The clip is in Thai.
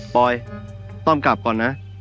ปอยต้อมกลับก่อนนะ